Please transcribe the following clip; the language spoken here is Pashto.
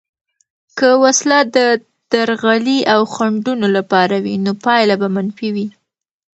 که وسله د درغلي او خنډونو لپاره وي، نو پایله به منفي وي.